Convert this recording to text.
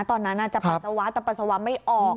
ตอนนั้นจะปัสสาวะแต่ปัสสาวะไม่ออก